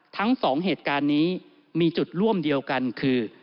ทั้งสองเหตุการณ์นี้มีจุดร่วมเดียวกันคือ